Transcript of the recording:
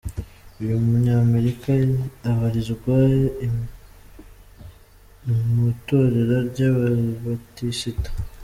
Uyu munya Amerika abarizwa mu itorero ry’Ababatisita.